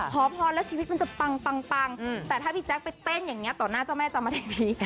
ขอพรแล้วชีวิตมันจะปังแต่ถ้าพี่แจ๊คไปเต้นอย่างนี้ต่อหน้าเจ้าแม่จามแห่งนี้